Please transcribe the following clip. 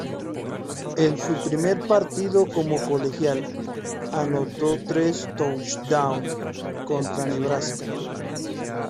En su primer partido como colegial, anotó tres touchdowns contra Nebraska.